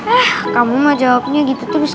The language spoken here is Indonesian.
wah kamu mah jawabnya gitu terus